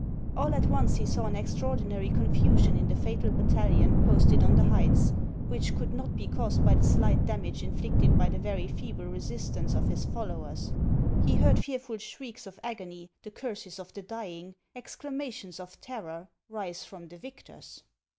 All at once he saw an extraordinary confusion in HANS OF ICELAND. 399 the fatal battalion posted on the heights, which could not be caused by the slight damage inflicted by the very feeble resistance of his followers. He heard fearful shrieks of agony, the curses of the dying, exclamations of terror, rise from the victors.